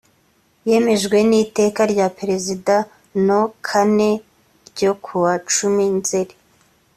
yemejwe n iteka rya perezida no kane ryo kuwa cumi nzeri